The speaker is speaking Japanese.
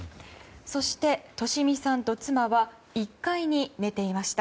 そして、利美さんと妻は１階に寝ていました。